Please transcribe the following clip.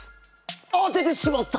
当ててしまった！